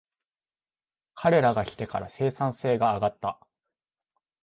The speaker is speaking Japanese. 彼らが来てから生産性が上がった